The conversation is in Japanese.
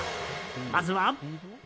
まずは。